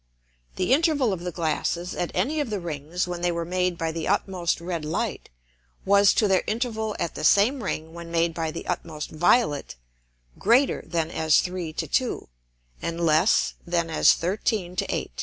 The Interval of the Glasses at any of the Rings when they were made by the utmost red Light, was to their Interval at the same Ring when made by the utmost violet, greater than as 3 to 2, and less than as 13 to 8.